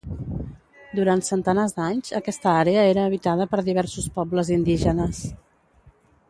Durant centenars d'anys, aquesta àrea era habitada per diversos pobles indígenes.